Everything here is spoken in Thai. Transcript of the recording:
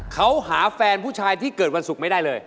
เขาหาแฟนผู้ชายที่เกิดวันศุกร์ไม่ได้เลย